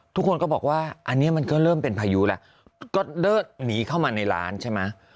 ทุกคนก็บอกว่าอันนี้มันก็เริ่มเป็นพายุแล้วก็เลิศหนีเข้ามาในร้านใช่ไหม